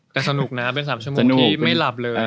แต่สนุกนะเป็น๓ชั่วโมงที่ไม่หลับเลย